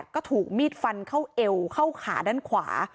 ก็ถูกมีดฟันเข้าเอวเข้าขาด้านขวา